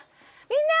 みんな！